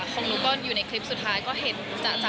ของหนูก็อยู่ในคลิปสุดท้ายก็เห็นสะใจ